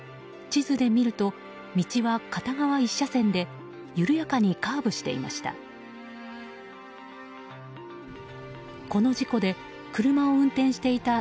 地図で見ると道は片側１車線で緩やかにカーブしていました。